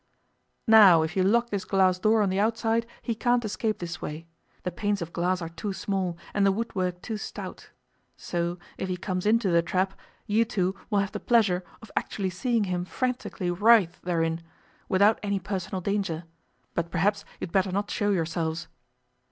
'Now if you lock this glass door on the outside he can't escape this way: the panes of glass are too small, and the woodwork too stout. So, if he comes into the trap, you two will have the pleasure of actually seeing him frantically writhe therein, without any personal danger; but perhaps you'd better not show yourselves.